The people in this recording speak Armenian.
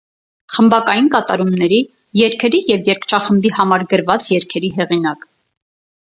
Խմբակային կատարումների, երգերի և երգչախմբի համար գրված երգերի հեղինակ։